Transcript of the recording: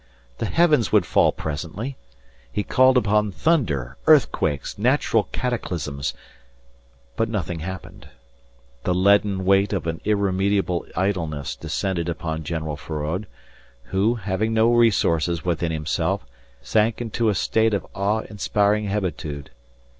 The heavens would fall presently. He called upon thunder, earthquakes, natural cataclysms. But nothing happened. The leaden weight of an irremediable idleness descended upon General Feraud, who, having no resources within himself, sank into a state of awe inspiring hebetude.